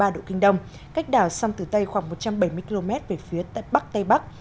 một trăm một mươi ba ba độ kinh đông cách đảo sông tử tây khoảng một trăm bảy mươi km về phía tất bắc tây bắc